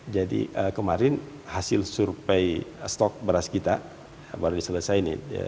jadi kemarin hasil survei stok beras kita baru diselesaikan